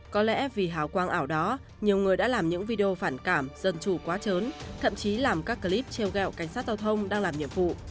có lẽ vì hào quang ảo đó nhiều người đã làm những video phản cảm dân chủ quá chớn thậm chí làm các clip treo gẹo cảnh sát giao thông đang làm nhiệm vụ